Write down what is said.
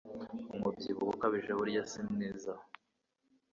Umubyibuho ukabije burya simwiza